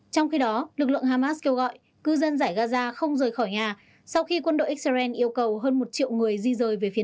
trong khi đó lực lượng hamas kêu gọi cư dân giải gaza không rời khỏi nhà sau khi quân đội israel yêu cầu hơn một triệu người di rời về phía